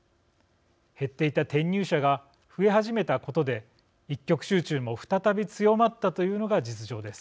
減っていた転入者が増え始めたことで、一極集中も再び強まったというのが実情です。